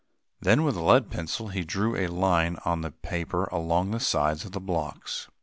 Then, with a lead pencil, he drew a line on the paper along the sides of the blocks.